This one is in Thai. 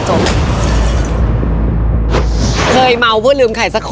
มีความรักของเรา